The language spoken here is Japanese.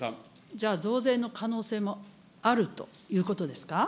じゃあ、増税の可能性もあるということですか。